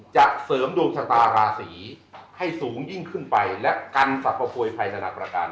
จะเสริมดวงชะตาราศีให้สูงยิ่งขึ้นไปและกันสรรพโพยภัยถนัดประการ